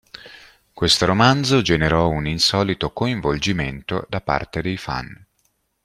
Questo romanzo generò un insolito coinvolgimento da parte dei fan.